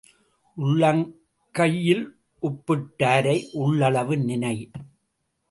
உள்ளங்கையில் உப்பிட்டாரை உள்ளளவும் நினை.